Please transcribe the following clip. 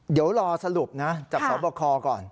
เดี๋ยวรอสรุปนะจากสบคก่อน